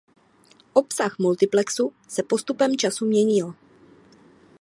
Obsah multiplexu se postupem času měnil.